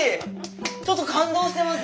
ちょっと感動してます。